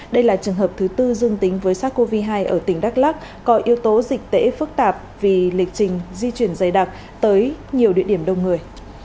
đây là trường hợp thứ tư dương tính với sars cov hai ở tỉnh đắk lắc có yếu tố dịch tễ phức tạp vì lịch trình di chuyển dày đặc tới nhiều địa điểm đông người